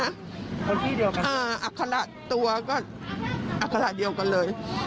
คนที่เดียวกันอ่าอัคระตัวก็อัคระเดียวกันเลย